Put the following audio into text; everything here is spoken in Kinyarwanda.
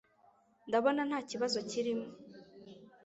ndabona ntakibazo kirimo